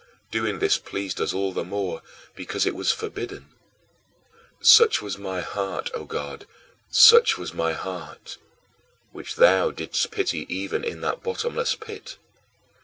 Doing this pleased us all the more because it was forbidden. Such was my heart, O God, such was my heart which thou didst pity even in that bottomless pit.